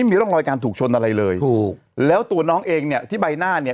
ไม่มีร่องรอยการถูกชนอะไรเลยถูกแล้วตัวน้องเองเนี่ยที่ใบหน้าเนี่ย